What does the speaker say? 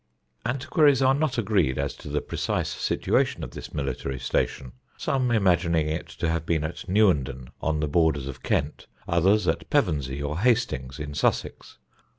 Antiquaries are not agreed as to the precise situation of this military station; some imagining it to have been at Newenden, on the borders of Kent; others at Pevensey, or Hastings, in Sussex.